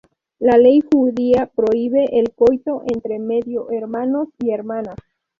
La ley judía prohíbe el coito entre medio hermanos y hermanas.